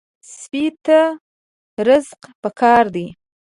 سپي ته رزق پکار دی.